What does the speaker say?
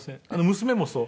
娘もそう。